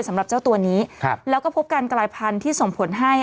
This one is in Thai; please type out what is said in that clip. สำหรับเจ้าตัวนี้ครับแล้วก็พบการกลายพันธุ์ที่ส่งผลให้